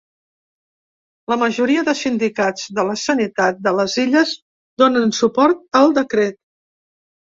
La majoria de sindicats de la sanitat de les Illes donen suport al decret.